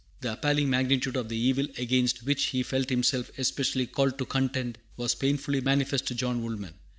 The appalling magnitude of the evil against which he felt himself especially called to contend was painfully manifest to John Woolman.